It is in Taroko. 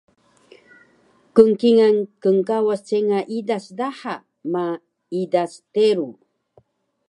Knkingal knkawas cenga idas daha ma idas teru